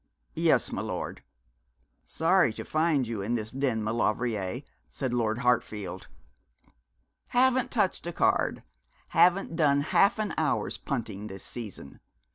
'Yes, my lord.' 'Sorry to find you in this den, Maulevrier,' said Lord Hartfield. 'Haven't touched a card. Haven't done half an hour's punting this season.